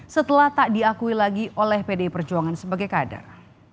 setelah tak diakui lagi oleh pdi perjuangan sebagai kader